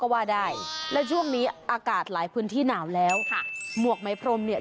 บางคนซื้อใช้เอง